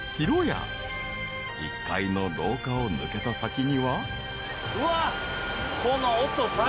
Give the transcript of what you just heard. ［１階の廊下を抜けた先には］